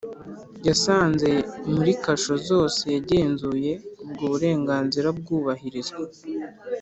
Yasanze muri kasho zose yagenzuye ubwo burenganzira bwubahirizwa